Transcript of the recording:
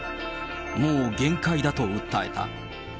もう限界だと訴えた。